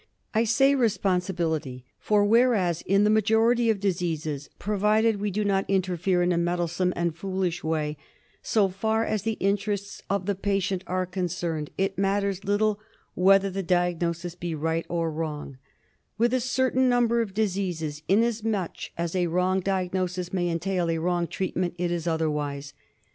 I say responsibility ; for whereas in the majority of diseases, provided we do not interfere in a meddlesome and foolish way, so far as the interests of the patient are concerned it matters little whether the diagnosis be right or wrong: with a certain number of diseases, inasmuch as a wrong diagnosis may entail a wrong treatment, it is otherwise.